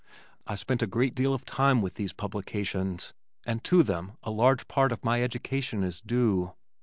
I spent a great deal of time with these publications and to them a large part of my education is due.